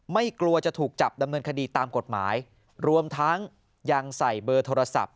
กลัวจะถูกจับดำเนินคดีตามกฎหมายรวมทั้งยังใส่เบอร์โทรศัพท์